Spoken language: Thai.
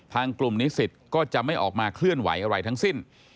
กลุ่มนิสิตก็จะไม่ออกมาเคลื่อนไหวอะไรทั้งสิ้น